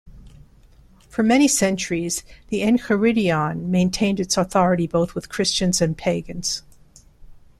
For many centuries, the "Enchiridion" maintained its authority both with Christians and Pagans.